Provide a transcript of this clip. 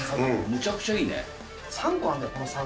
むちゃくちゃいいね。